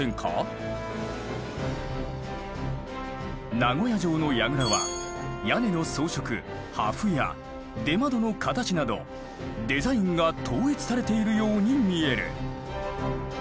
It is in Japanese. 名古屋城の櫓は屋根の装飾破風や出窓の形などデザインが統一されているように見える。